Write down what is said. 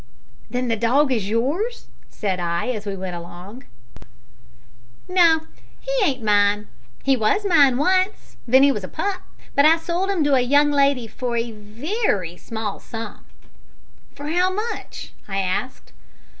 "Then the dog is yours?" said I as we went along. "No, he ain't mine. He was mine once ven he was a pup, but I sold 'im to a young lady for a wery small sum." "For how much?" I asked.